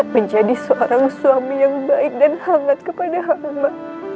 menjadi seorang suami yang baik dan hangat kepada allah